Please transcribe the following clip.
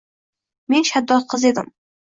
Men shaddod qiz edim